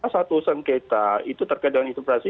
satu sengketa itu terkadang interpretasi